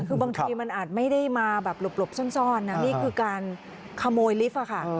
คือบางทีมันอาจไม่ได้มาแบบหลบซ่อนนะนี่คือการขโมยลิฟต์ค่ะ